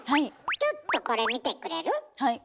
ちょっとこれ見てくれる？